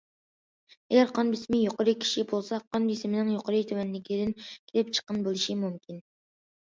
ئەگەر قان بېسىمى يۇقىرى كىشى بولسا، قان بېسىمىنىڭ يۇقىرى تۆۋەنلىكىدىن كېلىپ چىققان بولۇشى مۇمكىن.